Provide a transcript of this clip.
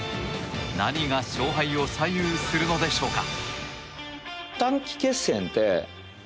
何が勝敗を左右するのでしょうか。